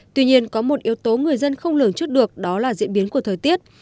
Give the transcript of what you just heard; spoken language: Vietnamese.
tuy nhiên có một yếu tố người dân không lường trước được đó là diễn biến của thời tiết